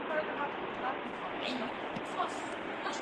შურდული იყო საბრძოლო, სანადირო, სამწყემსო და სათამაშო.